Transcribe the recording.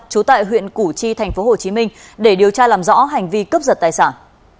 trú tại huyện củ chi tp hcm để điều tra làm rõ hành vi cấp dật tài sản